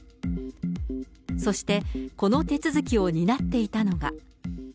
そして、この手続きを担っていたのが。